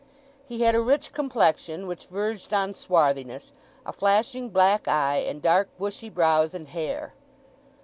He had a rich complexion, which verged on swarthiness, a flashing black eye, and dark, bushy brows and hair.